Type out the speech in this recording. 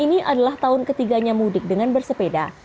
ini adalah tahun ketiganya mudik dengan bersepeda